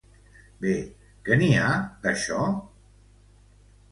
Bé, què n'hi ha d'això?